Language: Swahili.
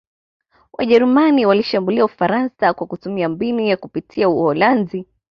Wajerumani walishambulia Ufaransa kwa kutumia mbinu ya kupitia Uholanzi